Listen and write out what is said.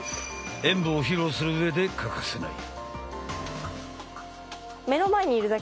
演武を披露する上で欠かせない。